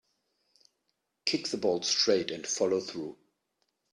Kick the ball straight and follow through.